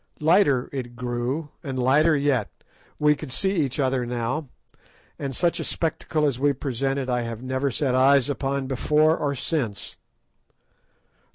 Lighter it grew, and lighter yet. We could see each other now, and such a spectacle as we presented I have never set eyes on before or since.